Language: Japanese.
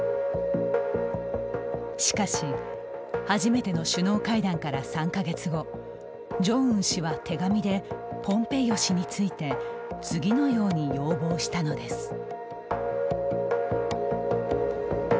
しかし、初めての首脳会談から３か月後ジョンウン氏は手紙でポンペイオ氏について次のように要望したのです。